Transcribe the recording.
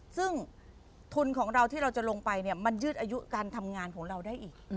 ซึ่งทุนของเราที่เราจะลงไปเนี่ยมันยืดอายุการทำงานของเราได้อีก